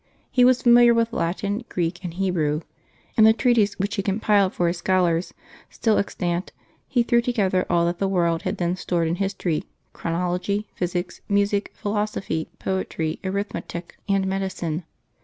He was familiar with Latin, Greek, and Hebrew. In the treatise which he compiled for his scholars, still extant, he threw together all that the world had then stored in history, chronology, physics, music, philosophy, poetry, arithmetic, 196 LIVES OF THE SAINTS [May 28 and medicine.